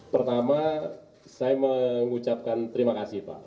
pertama saya mengucapkan terima kasih pak